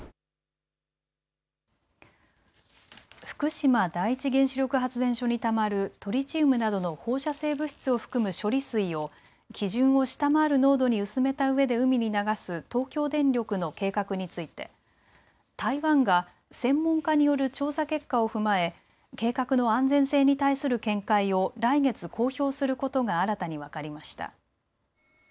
福島第一原子力発電所にたまるトリチウムなどの放射性物質を含む処理水を基準を下回る濃度に薄めたうえで海に流す東京電力の計画について台湾が専門家による調査結果を踏まえ計画の安全性に対する見解を来月公表することが新たに分かりました。